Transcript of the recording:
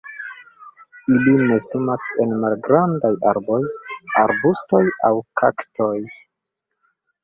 Ili nestumas en malgrandaj arboj, arbustoj aŭ kaktoj.